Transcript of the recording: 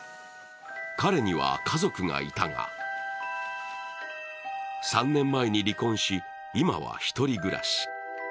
彼には家族がいたが、３年前に離婚し、今は１人暮らし。